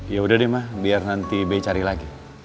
yaudah deh ma biar nanti bey cari lagi